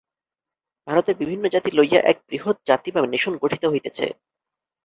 ভারতের বিভিন্ন জাতি লইয়া এক বৃহৎ জাতি বা নেশন গঠিত হইতেছে।